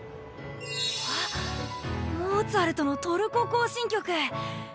わあモーツァルトの「トルコ行進曲」。